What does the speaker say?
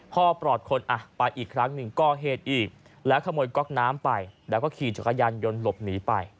ปลอดคนไปอีกครั้งหนึ่งก่อเหตุอีกแล้วขโมยก๊อกน้ำไปแล้วก็ขี่จักรยานยนต์หลบหนีไป